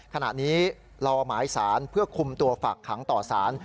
ขณะนี้รอหมายสารเพื่อคุมตัวฝากขังต่อสาร